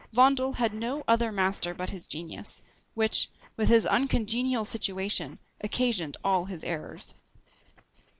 Vondel had no other master but his genius, which, with his uncongenial situation, occasioned all his errors.